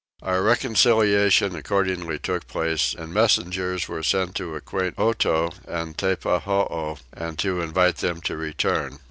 Our reconciliation accordingly took place and messengers were sent to acquaint Otow and Teppahoo, and to invite them to return.